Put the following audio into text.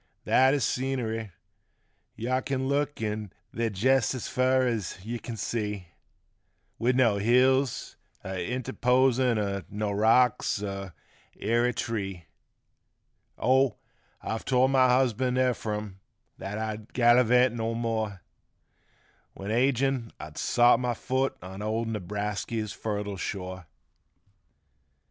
That is scenery — yuh kin look there jest as fur as yuh kin see With no hills a interposin' er no rocks, er airy tree, Oh, I've told my husband, Ephrum, that I'd gallavant no more When ag'in I'd sot my foot on old Newbrasky's fertile shore.